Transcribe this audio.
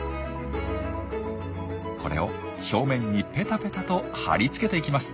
これを表面にペタペタと張り付けていきます。